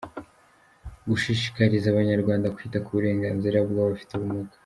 Gushishikariza abanyarwanda kwita ku burenganzira bw’Abafite ubumuga.